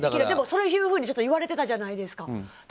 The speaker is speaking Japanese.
でも、そういうふうに言われていたじゃないですか。